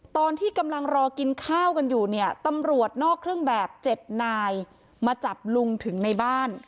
ตอนที่กำลังรอกินข้าวกันอยู่เนี่ยตำรวจนอกเครื่องแบบ๗นายมาจับลุงถึงในบ้าน